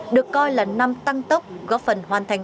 được coi là năm tăng tốc góp phần hoàn thành